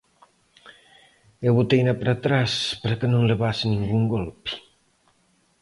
Eu boteina para atrás para que non levase ningún golpe.